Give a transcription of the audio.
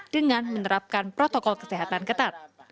dengan menerapkan protokol kesehatan ketat